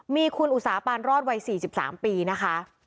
มีคุณอุตสาปานรอดวัย๔๓ปีนะคะ